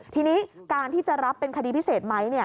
ทีนี้การที่จะรับเป็นคดีพิเศษไหม